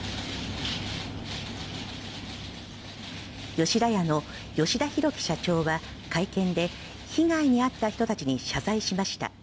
吉田屋の吉田広城社長は会見で被害に遭った人たちに謝罪しました。